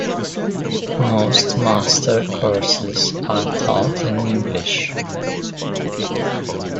Most master courses are taught in English.